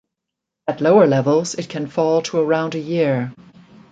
At lower levels it can fall to around a year.